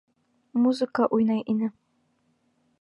Музыка уйнай ине.